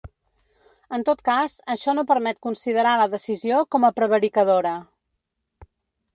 En tot cas, això ‘no permet considerar la decisió com a prevaricadora’.